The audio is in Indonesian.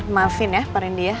maafin ya pak randy ya